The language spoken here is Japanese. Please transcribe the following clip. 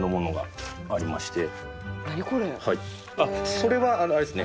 それはあれですね